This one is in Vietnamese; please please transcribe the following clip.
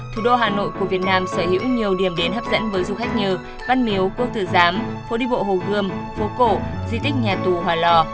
thủ đô hà nội của việt nam sở hữu nhiều điểm đến hấp dẫn với du khách như văn miếu quốc tử giám phố đi bộ hồ gươm phố cổ di tích nhà tù hòa lò